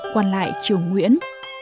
quản lại triều nguyễn